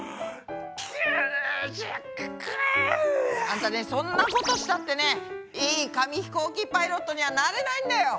あんたねそんなことしたってねいい紙ひこうきパイロットにはなれないんだよ！